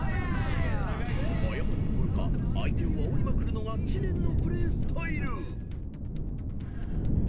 ［謝るどころか相手をあおりまくるのが知念のプレースタイル］